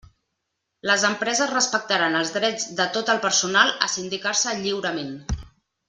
Les empreses respectaran els drets de tot el personal a sindicar-se lliurement.